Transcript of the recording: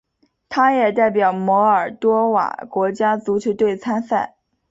他也代表摩尔多瓦国家足球队参赛。